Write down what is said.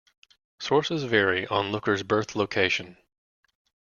Sources vary on Looker's birth location.